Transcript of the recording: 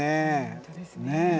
本当ですね。